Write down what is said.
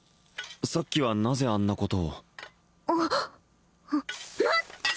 さっきはなぜあんなことをあアッツ！